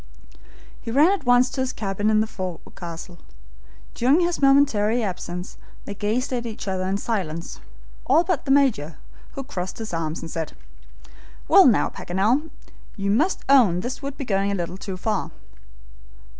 He ran at once to his cabin in the forecastle. During his momentary absence they gazed at each other in silence, all but the Major, who crossed his arms and said: "Well, now, Paganel, you must own this would be going a little too far."